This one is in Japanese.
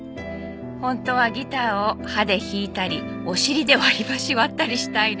「本当はギターを歯で弾いたりお尻で割りばし割ったりしたいのに」